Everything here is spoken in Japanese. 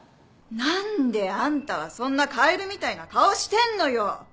何であんたはそんなカエルみたいな顔してんのよ